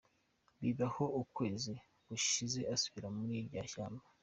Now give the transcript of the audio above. Biba aho, ukwezi gushize asubira muri rya shyamba.